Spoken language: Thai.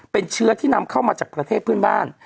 เป็นเชื้อที่นำเข้ามาจากประเทศเพื่อนบ้าน